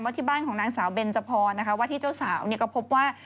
วัดที่บ้านของนางสาวเบนเจ้าพอร์วัดที่เจ้าสาวก็พบว่า